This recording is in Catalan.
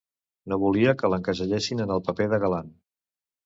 No volia que l'encasellessin en el paper de galant.